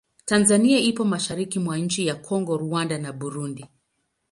Tanzania ipo mashariki mwa nchi za Kongo, Rwanda na Burundi.